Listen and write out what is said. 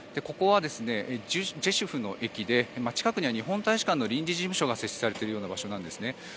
ここはジェシュフの駅で近くには日本大使館の臨時事務所が設置されている場所なんですね。